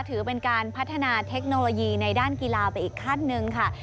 ถือเป็นการพัฒนาเทคโนโลยีในด้านกีฬาไปอีกขั้นหนึ่งค่ะ